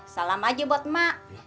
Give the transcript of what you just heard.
salam aja buat mbak